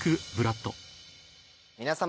皆様。